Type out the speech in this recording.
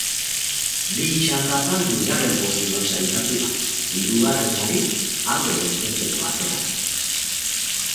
Bi txandatan bigarren postuan sailkatu da, hirugarrenari alde dezentekoa ateraz.